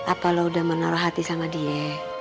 apa lo udah menaruh hati sama dia